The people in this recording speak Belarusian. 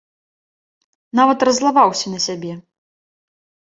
Нават раззлаваўся на сябе.